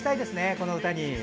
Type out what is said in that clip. この歌に。